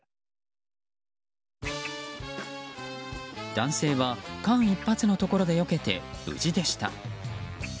男性は間一髪のところでよけて無事でした。